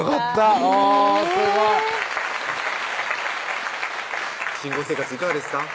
あぁすごい新婚生活いかがですか？